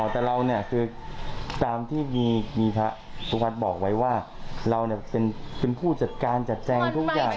อ๋อแต่เราเนี้ยคือตามที่มีมีพระสุภัทร์บอกไว้ว่าเราเนี้ยเป็นเป็นผู้จัดการจัดแจงทุกอย่าง